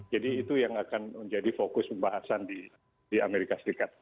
jadi itu yang akan menjadi fokus pembahasan di amerika serikat